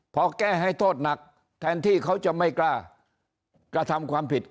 พอแก้ให้โทษหนักแทนที่เขาจะไม่กล้ากระทำความผิด